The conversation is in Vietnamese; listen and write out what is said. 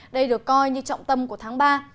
đây được coi như trọng tâm của tháng ba